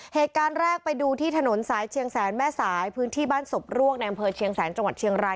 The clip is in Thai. เหตุการณ์แรกไปดูที่ถนนสายเชียงแสนแม่สายพื้นที่บ้านศพรวกในอำเภอเชียงแสนจังหวัดเชียงราย